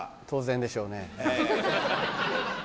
当然でしょうね。